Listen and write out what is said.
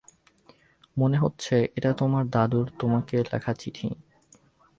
মনে হচ্ছে এটা তোমার দাদুর তোমাকে লেখা চিঠি।